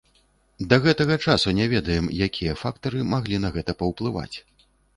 Да гэтага часу не ведаем, якія фактары маглі на гэта паўплываць.